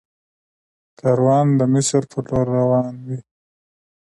کاروان د مصر په لور روان وي.